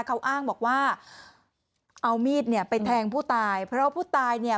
เขาอ้างบอกว่าเอามีดเนี่ยไปแทงผู้ตายเพราะผู้ตายเนี่ย